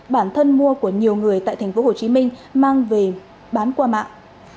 bản thân mua của nhiều người tại tp hcm mang về bán qua mạng